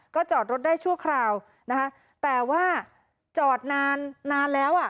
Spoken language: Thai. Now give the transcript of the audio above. ก็จอดรถได้ชั่วคราวนะคะแต่ว่าจอดนานนานแล้วอ่ะ